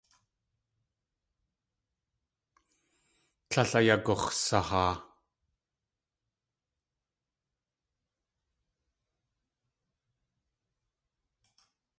Tlél ayagux̲sahaa.